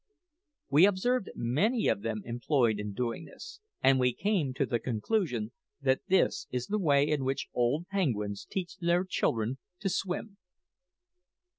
We observed many of them employed in doing this, and we came to the conclusion that this is the way in which old penguins teach their children to swim.